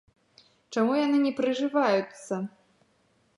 І чаму яны не прыжываюцца?